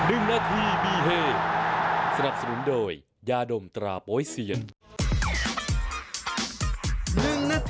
อันนี้รับสินค้าน้ำแขะเย็นวันนี้ยังจะถูกแบบ